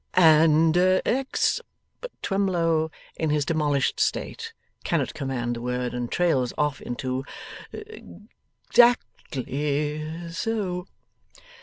'And ex ' But Twemlow, in his demolished state, cannot command the word, and trails off into ' actly so.